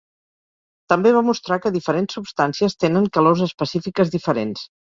També va mostrar que diferents substàncies tenen calors específiques diferents.